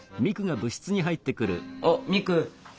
あっミク。